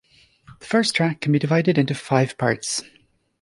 The first track can be divided into five parts.